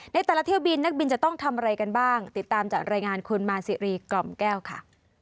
ในแต่ละเที่ยวบินนักบินจะต้องทำอะไรกันบ้างติดตามจากรายงานคุณมาซีรีกล่อมแก้วค่ะ